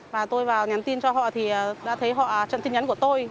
và tôi vào nhắn tin cho họ thì đã thấy họ trận tin nhắn của tôi